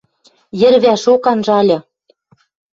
Йӹрвӓшок анжальы.